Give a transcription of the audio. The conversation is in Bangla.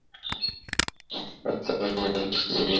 আর তারা আমাকে মেডাল দিয়ে পুরষ্কৃত করবে।